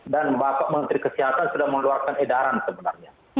dan bapak menteri kesehatan sudah mengeluarkan edaran sebenarnya